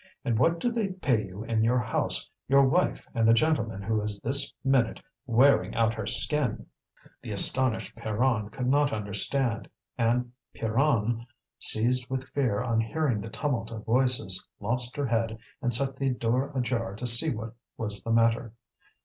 And what do they pay you in your house, your wife and the gentleman who is this minute wearing out her skin?" The astonished Pierron could not understand, and Pierronne, seized with fear on hearing the tumult of voices, lost her head and set the door ajar to see what was the matter.